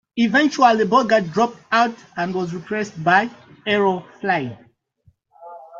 Eventually Bogart dropped out and was replaced by Errol Flynn.